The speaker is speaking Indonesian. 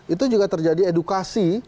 itu juga terjadi edukasi